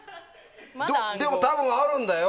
でも多分あるんだよ。